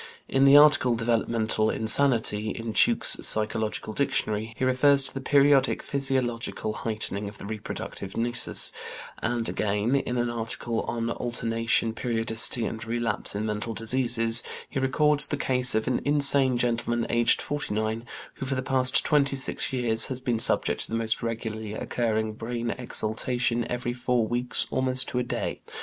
In the article, "Developmental Insanity," in Tuke's Psychological Dictionary, he refers to the periodic physiological heightening of the reproductive nisus; and, again, in an article on "Alternation, Periodicity, and Relapse in Mental Diseases" (Edinburgh Medical Journal, July, 1882), he records the case of "an insane gentleman, aged 49, who, for the past twenty six years, has been subject to the most regularly occurring brain exaltation every four weeks, almost to a day.